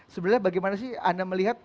sebenarnya bagaimana sih anda melihat